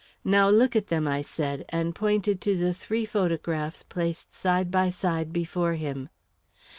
"Now look at them," I said, and pointed to the three photographs placed side by side before him.